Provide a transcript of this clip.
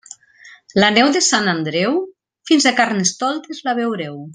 La neu de Sant Andreu, fins a Carnestoltes la veureu.